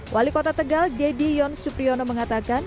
wali kota tegal dedion supriyono mengatakan